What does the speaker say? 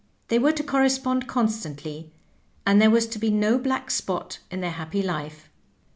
They were to correspond constantly, and there was to be no black spot in their happy life.